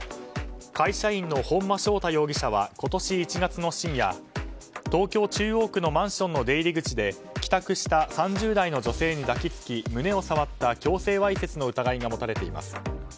会社員の本間祥太容疑者は今年１月の深夜東京・中央区のマンションの出入り口で帰宅した３０代の女性に抱き付き胸を触った強制わいせつの疑いが持たれています。